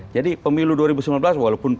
jadi pemilu dua ribu sembilan belas walaupun